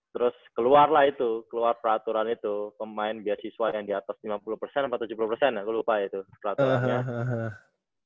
terus keluar lah itu keluar peraturan itu pemain beasiswa yang di atas lima puluh atau tujuh puluh aku lupa itu peraturannya